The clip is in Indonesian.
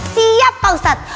siap pak ustadz